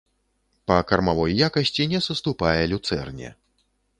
Па кармавой якасці не саступае люцэрне.